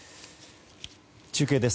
中継です。